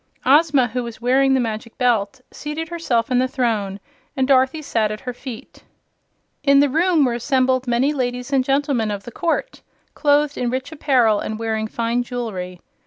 Ozma, who was wearing the Magic Belt, seated herself in the throne, and Dorothy sat at her feet. In the room were assembled many ladies and gentlemen of the court, clothed in rich apparel and wearing fine jewelry.